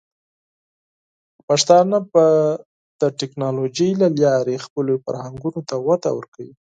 پښتانه به د ټیکنالوجۍ له لارې خپلو فرهنګونو ته وده ورکړي.